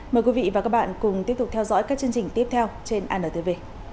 mời quý vị và các bạn cùng tiếp tục theo dõi các chương trình tiếp theo trên antv